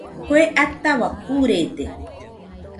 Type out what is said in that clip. Kue ataua kurede.